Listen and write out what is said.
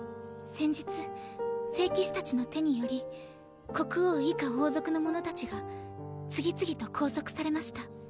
先日聖騎士たちの手により国王以下王族の者たちが次々と拘束されました。